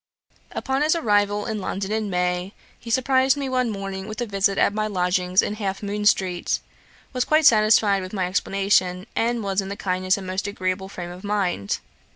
Upon his arrival in London in May, he surprized me one morning with a visit at my lodgings in Half Moon street, was quite satisfied with my explanation, and was in the kindest and most agreeable frame of mind.